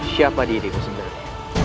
siapa dirimu sebenarnya